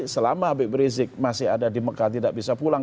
selama habib rizik masih ada di mekah tidak bisa pulang